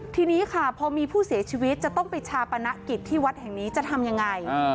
ทีนี้ค่ะพอมีผู้เสียชีวิตจะต้องไปชาปนกิจที่วัดแห่งนี้จะทำยังไง